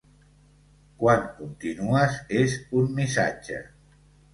Quan continues és un missatge.